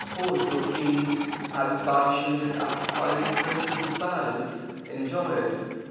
Hosts of kings, having partitioned it after fighting hundreds of battles, enjoy it.